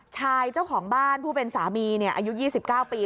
เจ้าของบ้านผู้เป็นสามีอายุ๒๙ปี